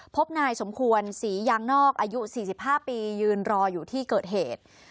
พบนายสมควรศรียางนอกอายุ๔๕ปียืนรออยู่ที่เกิดเหตุ